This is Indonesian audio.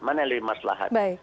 mana yang lebih maslahat